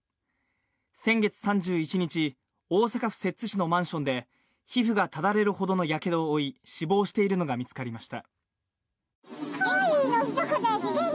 先月３１日、大阪府摂津市のマンションで皮膚がただれるほどのやけどを負い、死亡しているのが見つかりました。